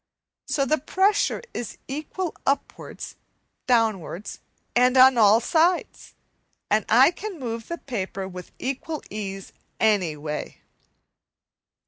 So the pressure is equal upwards, downwards, and on all sides, and I can move the paper with equal ease any way.